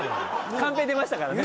カンペ出ましたからね今ね。